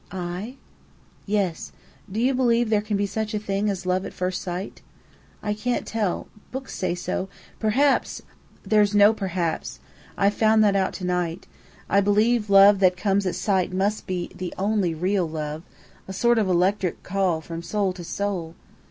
"I?" "Yes. Do you believe there can be such a thing as love at first sight?" "I can't tell. Books say so. Perhaps " "There's no 'perhaps.' I've found that out to night. I believe love that comes at sight must be the only real love a sort of electric call from soul to soul.